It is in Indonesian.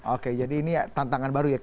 oke jadi ini tantangan baru ya